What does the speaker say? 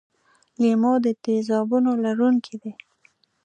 لیمو د تیزابونو لرونکی دی.